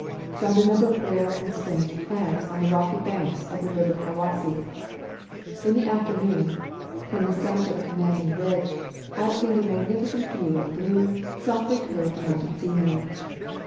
Found a number of rare and strange plants on the rocky banks of the river Hiwassee. In the afternoon, from the summit of a commanding ridge, I obtained a magnificent view of blue, softly curved mountain scenery.